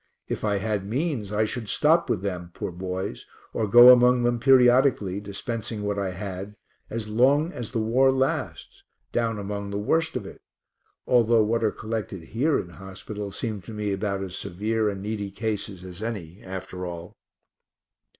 If I had means I should stop with them, poor boys, or go among them periodically, dispensing what I had, as long as the war lasts, down among the worst of it (although what are collected here in hospital seem to me about as severe and needy cases as any, after all).